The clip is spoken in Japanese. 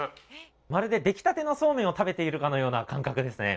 まるで出来たてのそうめんを食べているかのような感覚ですね。